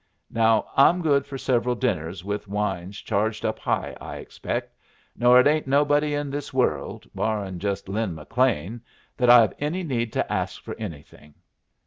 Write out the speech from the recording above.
Now I'm good for several dinners with wines charged up high, I expect, nor it ain't nobody in this world, barrin' just Lin McLean, that I've any need to ask for anything.